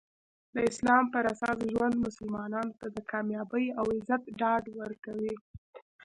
د اسلام پراساس ژوند مسلمانانو ته د کامیابي او عزت ډاډ ورکوي.